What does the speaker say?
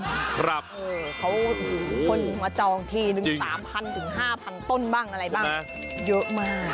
ครับเออเขามาจองที๑๓๐๐๐๕๐๐๐ต้นบ้างอะไรบ้างโดยเยอะมาก